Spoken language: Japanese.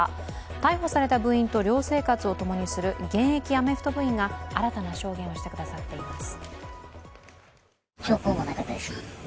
逮捕された部員と寮生活を共にする現役アメフト部員が新たな証言をしてくださっています。